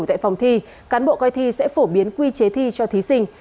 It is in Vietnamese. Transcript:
tại phòng thi cán bộ coi thi sẽ phổ biến quy chế thi cho thí sinh